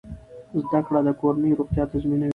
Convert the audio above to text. زده کړه د کورنۍ روغتیا تضمینوي۔